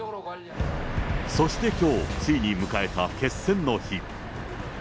そしてきょう、ついに迎えた決戦の日。